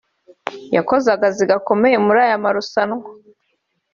yakoze akazi gakomeye muri ayo marusanwa